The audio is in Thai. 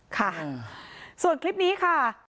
ค่ะส่วนคลิปนี้ค่ะ